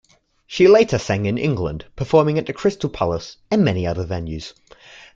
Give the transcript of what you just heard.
She later sang in England, performing at The Crystal Palace and many other venues.